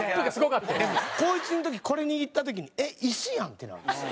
高１の時これ握った時にえっ石やんってなるんですよ。